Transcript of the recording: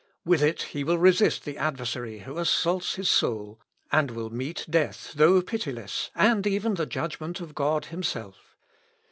With it he will resist the adversary who assaults his soul, and will meet death though pitiless, and even the judgment of God himself.